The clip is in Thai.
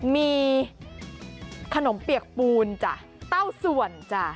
มีขนมเปียกปูนจ้ะเต้าส่วนจ้ะ